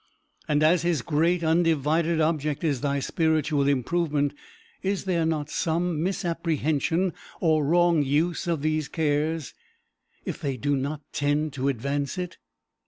And as his great, undivided object is thy spiritual improvement, is there not some misapprehension or wrong use of these cares, if they do not tend to advance it?